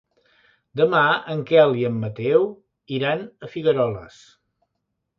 Demà en Quel i en Mateu iran a Figueroles.